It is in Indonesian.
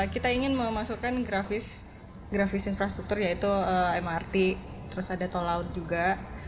kita ingin memasukkan grafis infrastruktur yaitu mrt terus ada tol laut juga